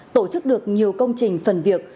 tổ chức được nhiều công trình phần việc